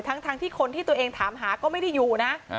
ทั้งที่คนที่ตัวเองถามหาก็ไม่ได้อยู่นะ